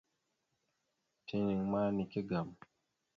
Tina ma nike agam.